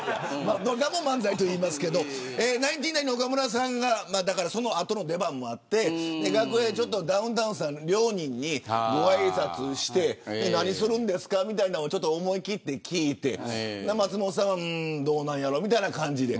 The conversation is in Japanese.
野田も漫才と言いますけれどナインティナインの岡村さんがその後の出番があって楽屋でダウンタウンさんの両人にごあいさつして何するんですかと思い切って聞いて松本さんはどうなんやろという感じで。